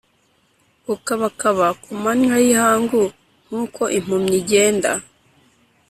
ukabakaba ku manywa y’ihangu nk’uko impumyi igenda